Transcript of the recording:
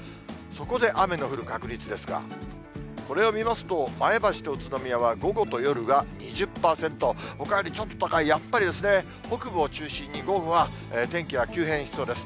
そこで雨の降る確率ですが、これを見ますと、前橋と宇都宮は午後と夜が２０％、ほかよりちょっと高い、やっぱり北部を中心に午後は天気が急変しそうです。